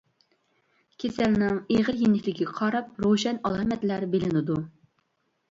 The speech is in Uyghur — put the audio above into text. كېسەلنىڭ ئېغىر-يېنىكلىكىگە قاراپ روشەن ئالامەتلەر بىلىنىدۇ.